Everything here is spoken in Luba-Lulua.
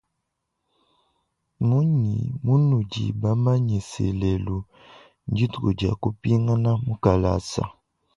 Mnunyi munudi bamanye se lelu ndituku dia kupingana mukalasa.